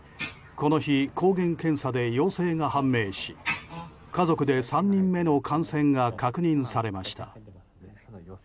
この日、抗原検査で陽性が判明し家族で３人目の感染が確認されました。